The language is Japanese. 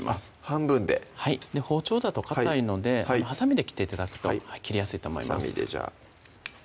半分ではい包丁だとかたいのではさみで切って頂くと切りやすいと思います